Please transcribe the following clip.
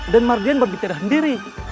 dan mardian berbicara sendiri